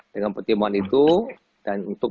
dengan pertimbangan itu dan untuk